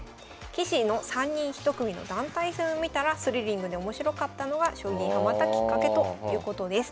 棋士の３人１組の団体戦を見たらスリリングで面白かったのが将棋にハマったきっかけということです。